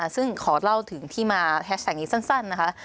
ซึ่งขอเล่าถึงที่มาแฮชแท็กนี้สั้นนะคะ